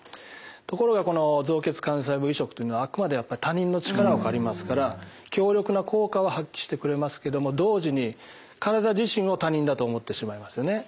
ところがこの造血幹細胞移植というのはあくまで他人の力を借りますから強力な効果は発揮してくれますけども同時に体自身を他人だと思ってしまいますよね。